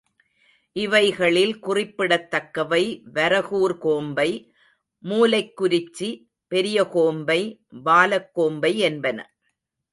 இவைகளில் குறிப்பிடத்தக்கவை, வரகூர் கோம்பை, மூலைக்குரிச்சி, பெரிய கோம்பை, வாலக் கோம்பை என்பன.